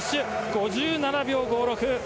５７秒５６。